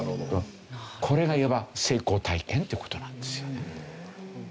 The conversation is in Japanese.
これがいわば成功体験って事なんですよね。